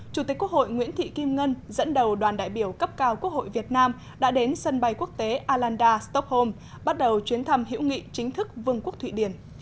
chủ tịch quốc hội nguyễn thị kim ngân dẫn đầu đoàn đại biểu cấp cao quốc hội việt nam đã đến sân bay quốc tế alanda stockholm bắt đầu chuyến thăm hiểu nghị chính thức vương quốc thụy điển